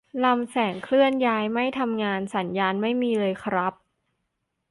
ลำแสงเคลื่อนย้ายไม่ทำงาน สัญญาณไม่มีเลยครับ